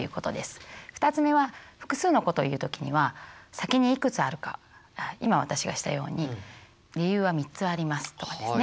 ２つ目は複数のことを言う時には先にいくつあるか今私がしたように「理由は３つあります」とかですね。